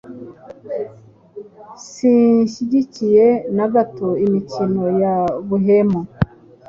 Sinshyigikiye na gato imikino y'ubuhemu